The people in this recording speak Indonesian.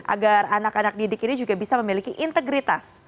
agar anak anak didik ini juga bisa memiliki integritas